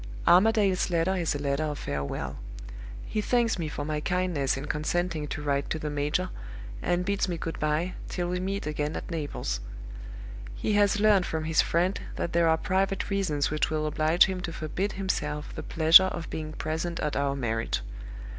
"Armadale's letter is a letter of farewell. He thanks me for my kindness in consenting to write to the major, and bids me good by, till we meet again at Naples. He has learned from his friend that there are private reasons which will oblige him to forbid himself the pleasure of being present at our marriage.